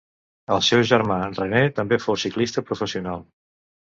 El seu germà René també fou ciclista professional.